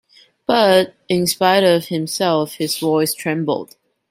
But in spite of himself his voice trembled.